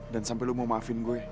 dan sampai lo mau maafin gue